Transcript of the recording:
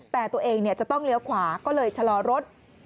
แต่ตัวเองจะต้องเลี้ยวขวาก็เลยชะลอรถ